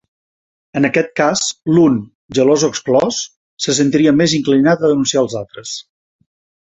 En aquest cas, l'un, gelós o exclòs, se sentiria més inclinat a denunciar els altres.